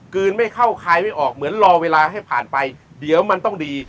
ไม่เข้าคายไม่ออกเหมือนรอเวลาให้ผ่านไปเดี๋ยวมันต้องดี